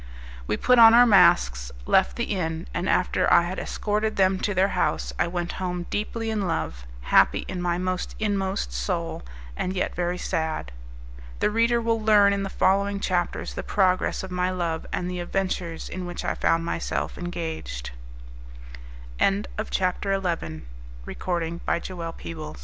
We put on our masks, left the inn, and after I had escorted them to their house I went home deeply in love, happy in my inmost soul, yet very sad. The reader will learn in the following chapters the progress of my love and the adventures in which I found myself engaged. CHAPTER XII Progress of My Intrigue with the Beautiful C. C.